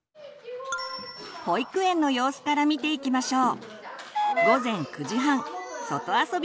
保育園の様子から見ていきましょう。